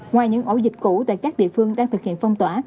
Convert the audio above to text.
ngoài những ổ dịch cũ tại các địa phương đang thực hiện phong tỏa